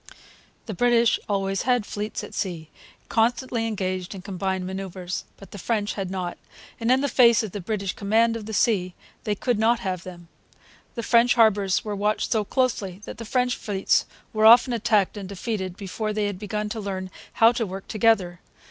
The British always had fleets at sea, constantly engaged in combined manoeuvres. The French had not; and, in face of the British command of the sea, they could not have them. The French harbours were watched so closely that the French fleets were often attacked and defeated before they had begun to learn how to work together.